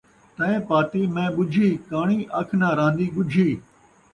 تیں پاتی میں ٻُجھی، کاݨی اکھ ناں رہندی ڳجھی